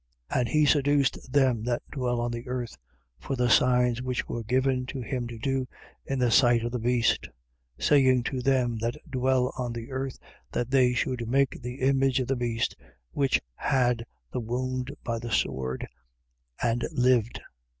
13:14. And he seduced them that dwell on the earth, for the signs which were given him to do in the sight of the beast: saying to them that dwell on the earth that they should make the image of the beast which had the wound by the sword and lived.